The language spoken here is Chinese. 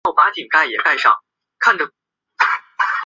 其岩层主要是由安山岩质的熔岩流和火山碎屑岩所分别构成。